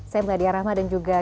saya meladia rahma dan juga